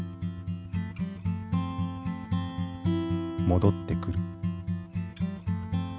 戻ってくる。